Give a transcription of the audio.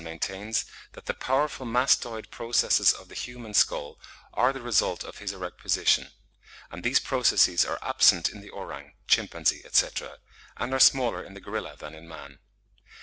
maintains that "the powerful mastoid processes of the human skull are the result of his erect position;" and these processes are absent in the orang, chimpanzee, etc., and are smaller in the gorilla than in man.